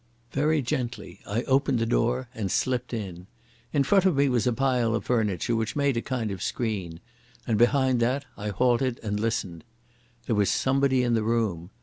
Very gently I opened the door and slipped in. In front of me was a pile of furniture which made a kind of screen, and behind that I halted and listened. There was somebody in the room.